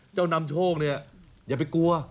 เจ้านำโชกนี้อย่าไปกลัว